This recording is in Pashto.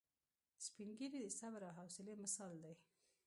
سپین ږیری د صبر او حوصلې مثال دی